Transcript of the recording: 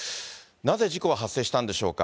なぜ事故は発生したんでしょうか。